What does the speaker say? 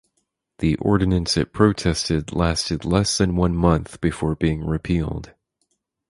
The ordinance it protested lasted less than one month before being repealed.